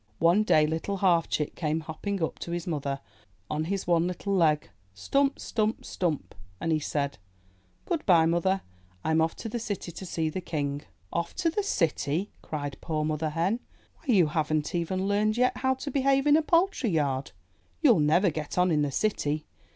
One day Little Half Chick came hopping up to his mother on his one little leg — stump, stump, stump! And he said: "Good bye, mother! Tm off to the city to see the King!'' "Off to the city!" cried poor Mother Hen. "Why, you haven't even learned yet how to behave in a poultry yard! You'll never get on in the city.